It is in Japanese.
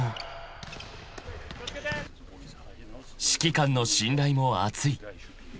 ［指揮官の信頼も厚い］